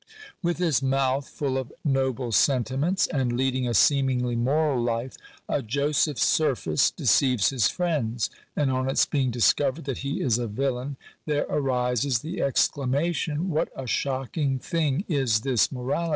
With his mouth full of "noble sentiments," and leading a seemingly moral life, a Joseph Surface deceives his friends ; and, on its being discovered that he is a villain, there arises the exclamation — "What a shocking thing is this morality!